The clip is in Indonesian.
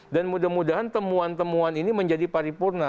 dan mudah mudahan temuan temuan ini menjadi paripurna